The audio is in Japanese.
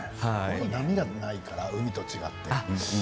波がないからね、海と違って。